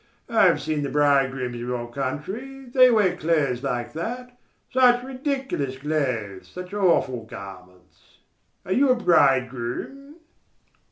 I have seen the bridegrooms of your country, they wear clothes like that such ridiculous clothes such awful garments... Are you a bridegroom?"